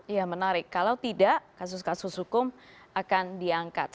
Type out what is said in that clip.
ya menarik kalau tidak kasus kasus hukum akan diangkat